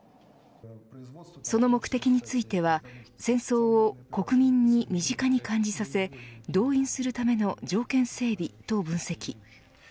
その目的については戦争を国民に身近に感じさせ動員するための条件整備と分析。